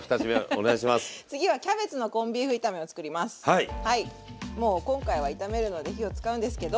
はいもう今回は炒めるので火を使うんですけど。